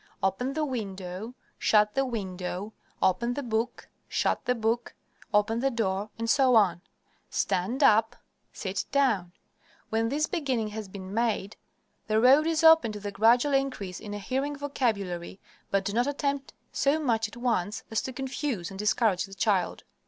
"Open the window," "Shut the window," "Open the book," "Shut the book," "Open the door," etc. "Stand up," "Sit down." When this beginning has been made, the road is open to the gradual increase in a hearing vocabulary, but do not attempt so much at once as to confuse and discourage the child.